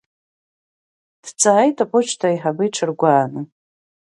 Дҵааит аԥошьҭа аиҳабы иҽыргәааны.